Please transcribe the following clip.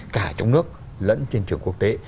cả trong nước lẫn trên trường quốc tế